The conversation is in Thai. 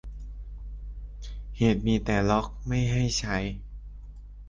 เหตุมีแต่ล็อคไม่ให้ใช้